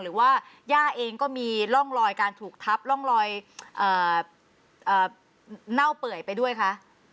หรือว่าย่าเองก็มีร่องรอยการถูกทับร่องรอยเน่าเปื่อยไปด้วยคะ